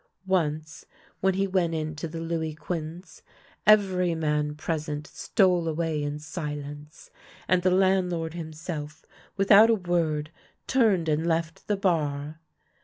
Once when he went into the Louis Ouinze every man present stole away in silence, and the landlord himself, without a word, turned and left the bar.